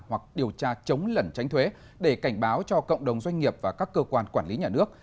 hoặc điều tra chống lẩn tránh thuế để cảnh báo cho cộng đồng doanh nghiệp và các cơ quan quản lý nhà nước